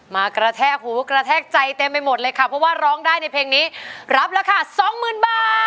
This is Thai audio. มากระแทกหูกระแทกใจเต็มไปหมดเลยค่ะเพราะว่าร้องได้ในเพลงนี้รับราคาสองหมื่นบาท